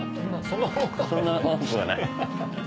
そんな重くはない。